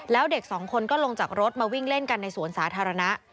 แล้วเด็กสองคนก็ลงจากรถมาวิ่งเล่นกันในสวนสาธารณะ